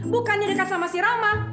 bukannya dekat sama si rama